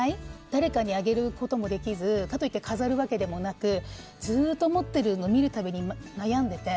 誰かにあげることもできずかといって飾るわけでもなくずっと持ってて見る度に悩んでて。